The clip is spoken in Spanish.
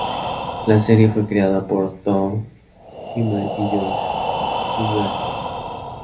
La serie fue creada por Tod Himmel y Josh Silverstein.